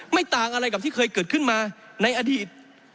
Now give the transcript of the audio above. ต่างอะไรกับที่เคยเกิดขึ้นมาในอดีต